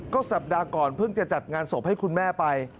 ก็สัปดาห์ก่อนเพิ่งจะจัดงานศพให้คุณแม่ไป